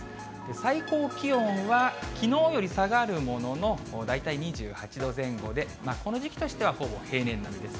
最高気温はきのうより下がるものの、大体２８度前後で、この時期としてはほぼ平年並みです。